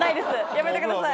やめてください。